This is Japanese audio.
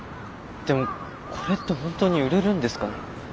でもこれってほんとに売れるんですかね？